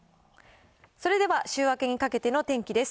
それでは週明けにかけての天気です。